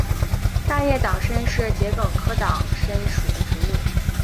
大叶党参是桔梗科党参属的植物。